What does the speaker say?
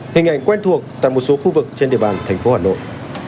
hình ảnh quen thuộc tại một số khu vực trên địa bàn thành phố hà nội